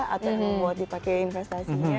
atau yang mau dipakai investasinya